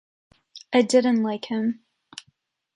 I didn’t like him.